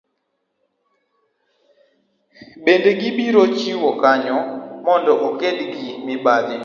Bende gibiro chiwo kwayo mondo oked gi mibadhi